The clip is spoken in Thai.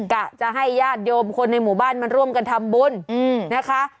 กะจะให้ญาติโยมคนในหมู่บ้านมาร่วมกันทำบุญนะคะ